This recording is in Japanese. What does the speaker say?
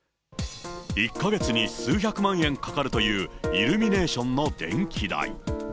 １か月に数百万円かかるというイルミネーションの電気代。